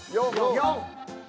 ４。